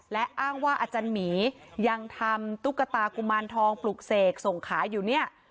และอ้างว่าอาจารย์หมียังทำตุ๊กตากุมารทองปลูกเสกส่งขายอยู่เนี่ย